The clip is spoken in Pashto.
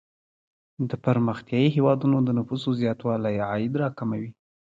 د پرمختیايي هیوادونو د نفوسو زیاتوالی عاید را کموي.